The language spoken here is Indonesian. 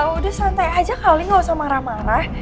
udah santai aja kali gak usah marah marah